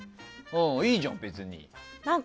いいじゃん、別に。